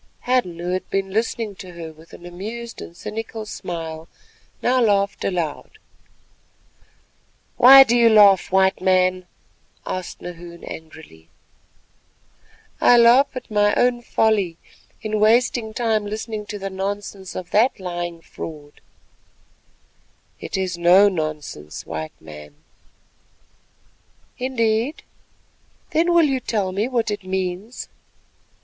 Hadden, who had been listening to her with an amused and cynical smile, now laughed aloud. "Why do you laugh, White Man?" asked Nahoon angrily. "I laugh at my own folly in wasting time listening to the nonsense of that lying fraud." "It is no nonsense, White Man." "Indeed? Then will you tell me what it means?"